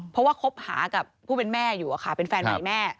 เพราะว่าคบหากับผู้เป็นแม่อยู่เป็นแฟนใหม่แม่